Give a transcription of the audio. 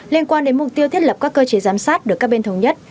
liên quan đến mục tiêu thiết lập các cơ chế giám sát được các bên thống nhất